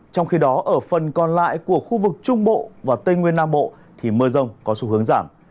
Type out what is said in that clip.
trong khi đó ở phần còn lại của khu vực trung bộ và tây nguyên nam bộ thì mưa rông có xu hướng giảm